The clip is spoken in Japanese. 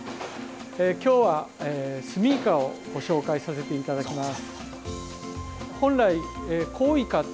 今日はスミイカをご紹介させていただきます。